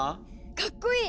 かっこいい！